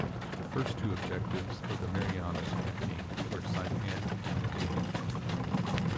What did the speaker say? The first two objectives of the Marianas campaign were Saipan and Tinian.